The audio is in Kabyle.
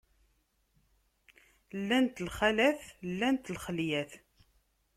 Llant lxalat, llant lxelyat.